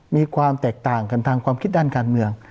มีความแตกต่างกันทางความคิดด้านการเมือง